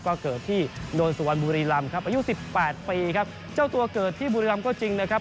ก็เกิดที่โดนสุวรรณบุรีรำครับอายุสิบแปดปีครับเจ้าตัวเกิดที่บุรีรำก็จริงนะครับ